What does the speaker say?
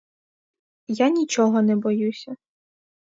Я нічого не боюся.